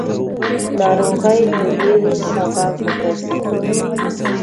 ناروغۍ د وېرو سبب وګرځېدې.